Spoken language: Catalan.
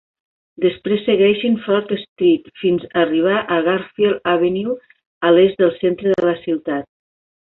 Després segueixen Front Street fins a arribar a Garfield Avenue a l'est del centre de la ciutat.